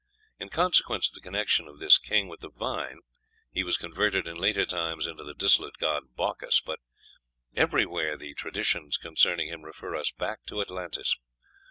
In consequence of the connection of this king with the vine, he was converted in later times into the dissolute god Bacchus. But everywhere the traditions concerning him refer us back to Atlantis.